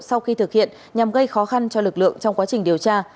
sau khi thực hiện nhằm gây khó khăn cho lực lượng trong quá trình điều tra